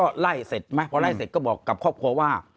ก็ไล่เสร็จไหมพอไล่เสร็จก็บอกกับครอบครัวว่า